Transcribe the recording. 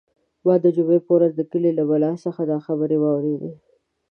ما د جمعې په ورځ د کلي له ملا څخه دا خبرې واورېدې.